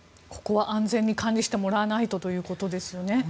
安全に管理してもらわないとということですよね。